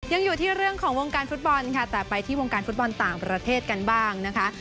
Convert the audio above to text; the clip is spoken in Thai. ยังอยู่ที่เรื่องของวงการฟุตบอลค่ะแต่ไปที่วงการฟุตบอลต่างประเทศกันบ้างนะคะ